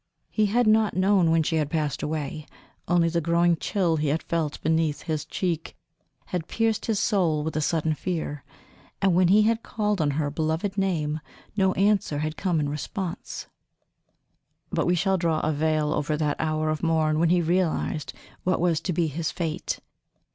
He had not known when she had passed away only the growing chill he had felt beneath his cheek had pierced his soul with a sudden fear, and when he had called on her beloved name no answer had come in response. But we shall draw a veil over that hour of morn when he realized what was to be his fate.